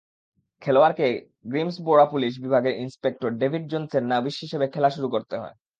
খেলোয়াড়কে গ্রিমসবোরা পুলিশ বিভাগের inspector David জোনসের নবিশ হিসেবে খেলা শুরু করতে হয়।